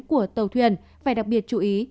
của tàu thuyền phải đặc biệt chú ý